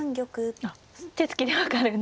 あっ手つきで分かるんですか。